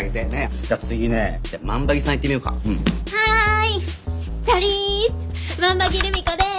はい。